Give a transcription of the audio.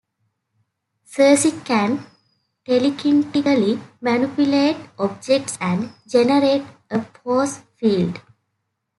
Sersi can telekinetically manipulate objects and generate a force field.